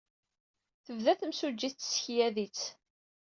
Tebda temsujjit tessekyad-itt.